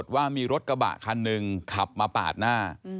ว่ามีรถกระบะคันหนึ่งขับมาปาดหน้า